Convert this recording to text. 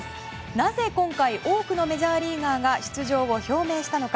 なぜ今回多くのメジャーリーガーが出場を表明したのか。